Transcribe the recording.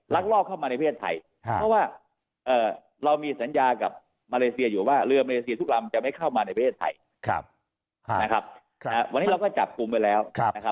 ลักลอกเข้ามาในประเทศไทยเพราะว่าเรามีสัญญากับมาเลเซียอยู่ว่าเรือมาเลเซียทุกลำจะไม่เข้ามาในประเทศไทย